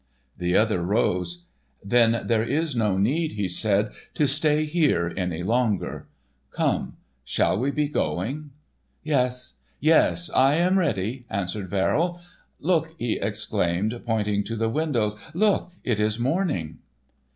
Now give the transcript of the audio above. The other rose: "Then there is no need," he said, "to stay here any longer. Come, shall we be going?" "Yes, yes, I am ready," answered Verrill. "Look," he exclaimed, pointing to the windows. "Look—it is morning."